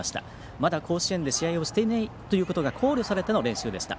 まだ甲子園で試合をしていないということが考慮されての練習でした。